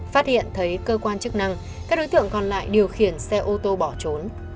phát hiện thấy cơ quan chức năng các đối tượng còn lại điều khiển xe ô tô bỏ trốn